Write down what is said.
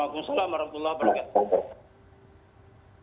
assalamu'alaikum warahmatullah wabarakatuh